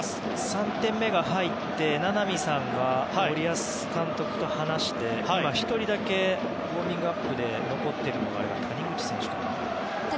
３点目が入って名波さんが森保監督と話して１人だけウォーミングアップで残っているのは谷口選手かな。